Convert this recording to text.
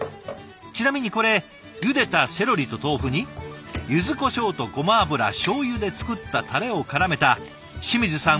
ちなみにこれゆでたセロリと豆腐にゆずこしょうとごま油しょうゆで作ったたれをからめた清水さん